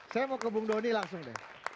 saya mau ke bung doni langsung deh